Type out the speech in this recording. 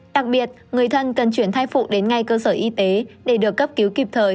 đặc biệt người thân cần chuyển thai phụ đến ngay cơ sở y tế để được cấp cứu kịp thời